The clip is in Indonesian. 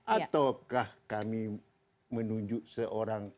ataukah kami menunjuk seorang